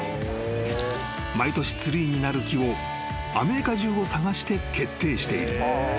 ［毎年ツリーになる木をアメリカ中を探して決定している］